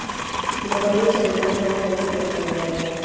La pandilla se resguarda en una vieja gasolinera.